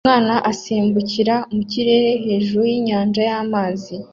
Umwana asimbukira mu kirere hejuru y'inyanja y'amazi